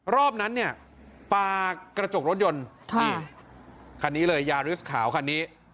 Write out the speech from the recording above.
รอบนั้นเนี่ยปลากระจกรถยนต์นี่คันนี้เลยยาริสขาวคันนี้